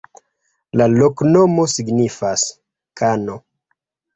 La loknomo signifas: kano.